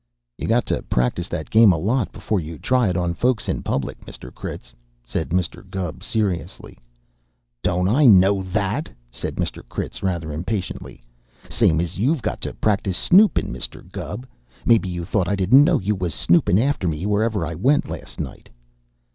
"You got to practice that game a lot before you try it onto folks in public, Mr. Critz," said Mr. Gubb seriously. "Don't I know that?" said Mr. Critz rather impatiently. "Same as you've got to practice snoopin', Mr. Gubb. Maybe you thought I didn't know you was snoopin' after me wherever I went last night."